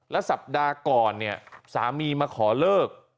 และสัปดาห์ก่อนสามีมาขอเลิก